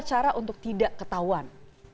cara untuk tidak ketahuan